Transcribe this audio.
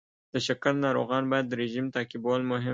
د شکر ناروغان باید رژیم تعقیبول مهم دی.